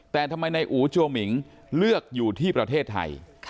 แต่ทำไมนายอู๋จัวหมิงเลือกอยู่ที่ประเทศไทย